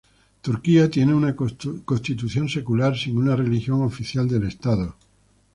Turquía tiene una constitución secular, sin una religión oficial del estado.